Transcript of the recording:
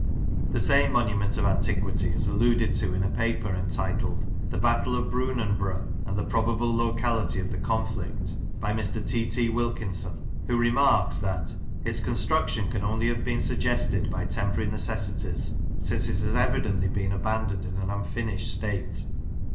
The same monument of antiquity is alluded to in a paper entitled, "The Battle of Brunanburh, and the probable Locality of the Conflict," by Mr. T. T. Wilkinson, who remarks that "its construction can only have been suggested by temporary necessities, since it has evidently been abandoned in an unfinished state."